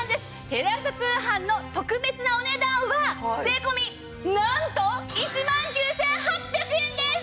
テレ朝通販の特別なお値段は税込なんと１万９８００円です！